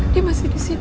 dia masih di sini